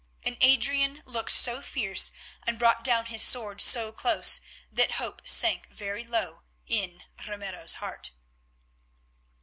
And Adrian looked so fierce, and brought down his sword so close, that hope sank very low in Ramiro's heart.